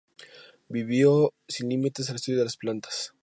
Vio sin límites al estudio de las plantas.